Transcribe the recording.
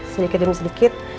sedikit demi sedikit